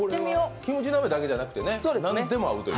キムチ鍋だけじゃなくて、何でも合うという。